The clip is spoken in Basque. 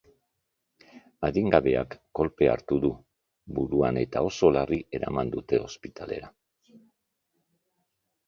Adingabeak kolpea hartu du buruan eta oso larri eraman dute ospitalera.